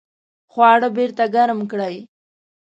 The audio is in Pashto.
خواړه بیرته ګرم کړئ